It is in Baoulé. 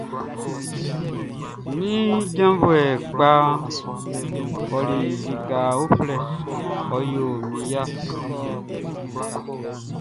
Mi janvuɛ kpaʼn ɔli lika uflɛ, ɔ yo min ya.